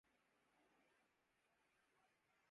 N C O C نے شادی hall, markets اور مال